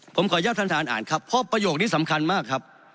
ผมขออนุญาตท่านท่านอ่านครับเพราะประโยคนี้สำคัญมากครับ